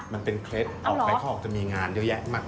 มันเป็นเคล็ดออกไปเขาออกจะมีงานเยอะแยะมาก